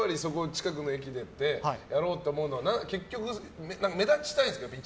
近くの駅でやろうと思うのは結局、目立ちたいんですか？